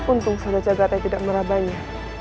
untung saudara jagad tidak merabahnya